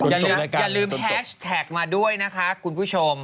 อย่าลืมแฮชแท็กมาด้วยนะคะคุณผู้ชม